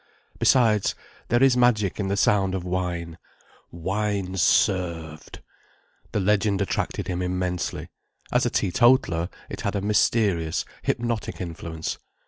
Besides, there is magic in the sound of wine. Wines Served. The legend attracted him immensely—as a teetotaller, it had a mysterious, hypnotic influence.